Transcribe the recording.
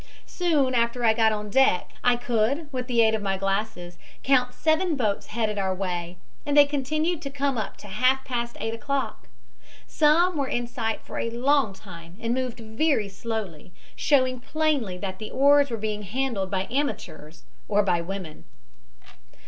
Soon after I got on deck I could, with the aid of my glasses, count seven boats headed our way, and they continued to come up to half past eight o'clock. Some were in sight for a long time and moved very slowly, showing plainly that the oars were being handled by amateurs or by women.